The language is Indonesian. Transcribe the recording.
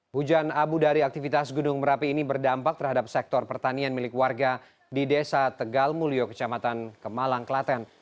hujan abu dari aktivitas gunung merapi ini berdampak terhadap sektor pertanian milik warga di desa tegalmulyo kecamatan kemalang klaten